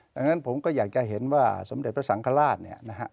ดังนั้นผมก็อยากจะเห็นว่าสมเด็จพระสังฆราชเนี่ยนะฮะ